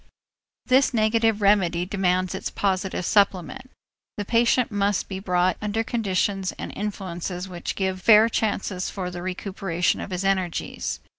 This negative remedy demands its positive supplement. The patient must be brought under conditions and influences which give fair chances for the recuperation of his energies.